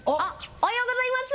おはようございます